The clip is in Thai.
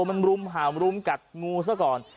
มันห่ามรุมกัดงูซะก่อน